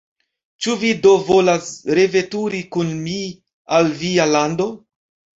Ĉu vi do volas reveturi kun mi al via lando?